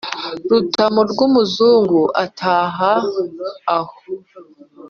Rutamu rw'umuzungu ataha aho.